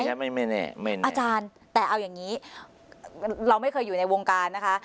อันนี้ไม่แน่ไม่แน่อาจารย์แต่เอาอย่างนี้เราไม่เคยอยู่ในวงการนะคะ